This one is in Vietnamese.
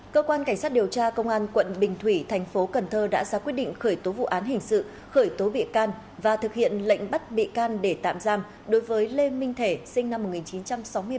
cơ quan cảnh sát điều tra công an quận bình thủy thành phố cần thơ đã ra quyết định khởi tố vụ án hình sự khởi tố bị can và thực hiện lệnh bắt bị can để tạm giam đối với lê minh thể sinh năm một nghìn chín trăm sáu mươi ba